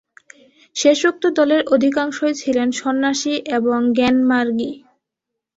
শেষোক্ত দলের অধিকাংশই ছিলেন সন্ন্যাসী এবং জ্ঞানমার্গী।